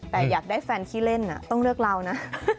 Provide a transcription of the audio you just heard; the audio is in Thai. แต่อยากได้แฟนขี้เล่นต้องเลือกเรานะ